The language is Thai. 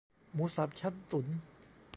หมูสามชั้นตุ๋น